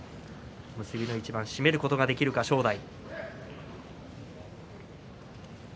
結びの一番締めることができるか正代。